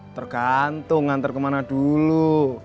tergantung nganter kemana dulu